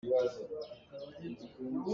A phei ah mawngcik a um.